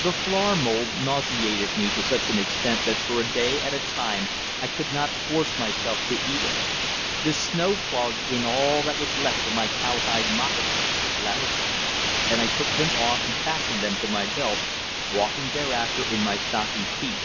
The flour mould nauseated me to such an extent that for a day at a time I could not force myself to eat it. The snow clogged in all that was left of my cowhide moccasins (larigans), and I took them off and fastened them to my belt, walking thereafter in my stocking feet.